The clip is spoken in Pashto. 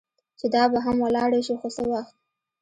چې دا به هم ولاړه شي، خو څه وخت.